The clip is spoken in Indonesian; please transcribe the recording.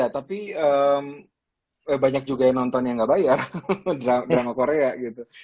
tapi banyak juga yang nonton yang nggak bayar drama korea gitu